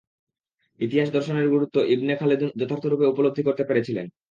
ইতিহাস দর্শনের গুরুত্ব ইবন খালদুন যথার্থরূপে উপলব্ধি করতে পেরেছিলেন।